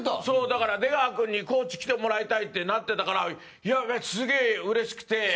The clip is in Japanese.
そうだから「出川君にコーチ来てもらいたい」ってなってたからすげえうれしくて。